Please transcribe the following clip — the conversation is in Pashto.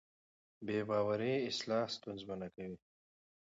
بې باورۍ اصلاح ستونزمنه کوي